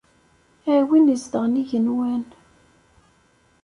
A win izedɣen igenwan.